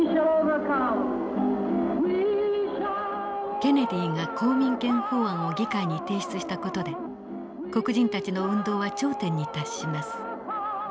ケネディが公民権法案を議会に提出した事で黒人たちの運動は頂点に達します。